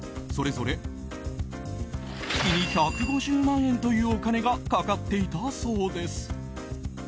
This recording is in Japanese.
それぞれ月に１５０万円というお金がかかっていたそうです。